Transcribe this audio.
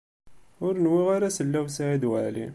Ur nwiɣ ara sellaw Saɛid Waɛli.